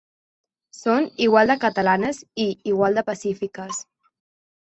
Són igual de catalanes i igual de pacífiques.